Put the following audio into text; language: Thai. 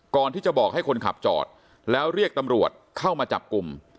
ก่อนที่จะบอกให้คนขับจอดแล้วเรียกตำรวจเข้ามาจับกลุ่ม